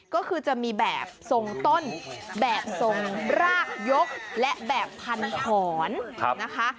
ก็คือจะมีแบบทรงต้นแบบทรงรากยกและแบบพันถอนนะคะ